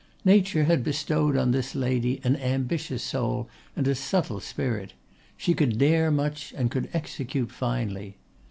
Nature had bestowed on this lady an ambitious soul and a subtle spirit; she could dare much and could execute finely.